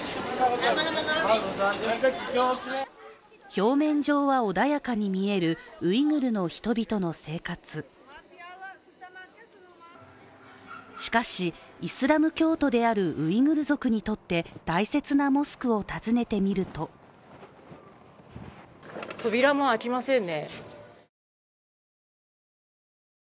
表面上は穏やかに見えるウイグルの人々の生活しかし、イスラム教徒であるウイグル族にとって、大切なモスクを訪ねてみると扉も開きませんね。